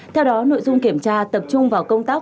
theo đó nội dung kiểm tra tập trung vào công tác